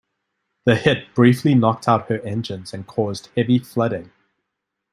The hit briefly knocked out her engines and caused heavy flooding.